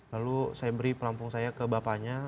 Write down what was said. lalu saya beri perampung saya ke bapaknya